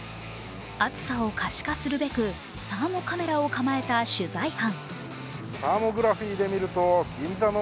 暑さを可視化するべくサーモカメラを構えた取材班。